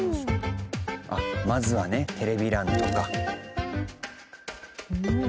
あっまずはねテレビ欄とか。